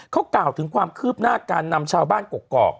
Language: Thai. เขากล่าวถึงความคืบหน้าการนำชาวบ้านกรก